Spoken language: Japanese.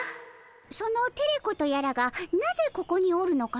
そのテレ子とやらがなぜここにおるのかの？